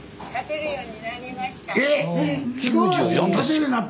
えっ！